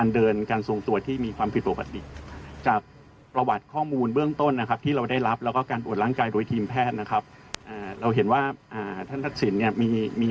ด้วยทีมแพทย์นะครับเอ่อเราเห็นว่าอ่าท่านทักษิณเนี่ยมีมี